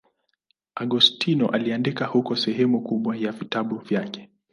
Agostino aliandika huko sehemu kubwa ya vitabu vyake.